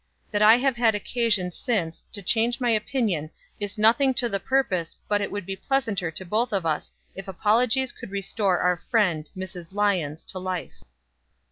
That I have had occasion since to change my opinion is nothing to the purpose but it would be pleasanter for both of us if apologies could restore our friend, Mrs. Lyons to life."